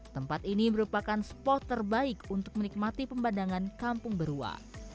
tempat ini merupakan spot terbaik untuk menikmati pemandangan kampung berua